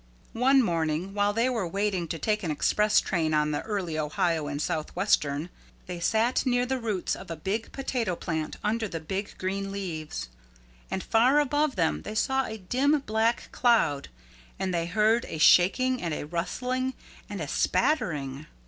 One morning while they were waiting to take an express train on the Early Ohio & Southwestern they sat near the roots of a big potato plant under the big green leaves. And far above them they saw a dim black cloud and they heard a shaking and a rustling and a spattering.